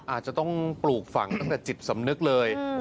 อาจจะต้องปลูกฝังตั้งแต่จิตสำนึกเลย